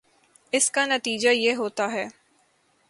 اس کا نتیجہ یہ ہوتا ہے